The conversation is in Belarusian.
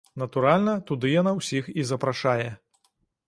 Натуральна, туды яна ўсіх і запрашае.